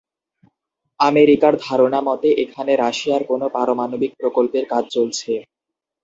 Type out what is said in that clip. আমেরিকার ধারণা মতে এখানে রাশিয়ার কোন পারমাণবিক প্রকল্পের কাজ চলছে।